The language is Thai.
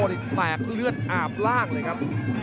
นี่แตกเลือดอาบล่างเลยครับ